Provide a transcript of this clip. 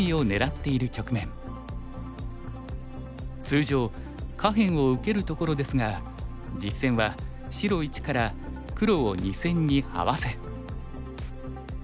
通常下辺を受けるところですが実戦は白１から黒を２線にハワせ。